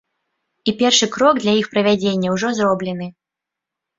І першы крок для іх правядзення ўжо зроблены.